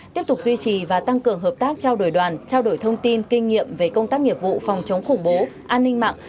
tiếp tục duy trì và tăng cường hợp tác trao đổi đoàn trao đổi thông tin kinh nghiệm về công tác nghiệp vụ phòng chống khủng bố an ninh mạng